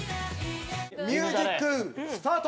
ミュージックスタート！